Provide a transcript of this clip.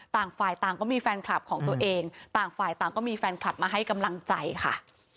ต่างฝ่ายต่างก็มีแฟนคลับของตัวเองต่างฝ่ายต่างก็มีแฟนคลับมาให้กำลังใจค่ะ